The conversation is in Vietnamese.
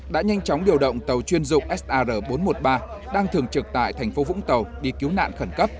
đã nhanh chóng điều động tàu chuyên dụng sr bốn trăm một mươi ba đang thường trực tại thành phố vũng tàu đi cứu nạn khẩn cấp